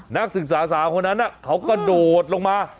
นักศึกษาสาวคนนั้นเขากระโดดลงมา